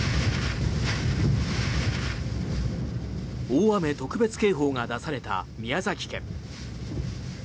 大雨特別警報が出された宮崎県。